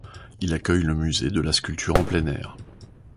Il accueille le Musée de la sculpture en plein air.